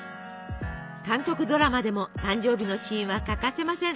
韓国ドラマでも誕生日のシーンは欠かせません。